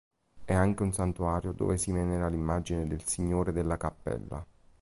È anche un santuario dove si venera l'immagine del Signore della Cappella.